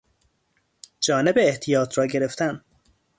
جانب احتیاط را گرفتن